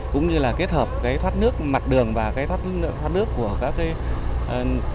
cũng như là kết hợp cái thoát nước mặt đường và cái thoát nước của các cái